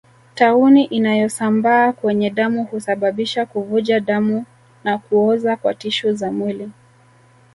Tauni inayosambaa kwenye damu husababisha kuvuja damu na kuoza kwa tishu za mwili